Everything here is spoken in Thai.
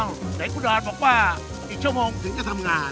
อ้าวเด็กพุดราชบอกว่ากี่ชั่วโมงถึงจะทำงาน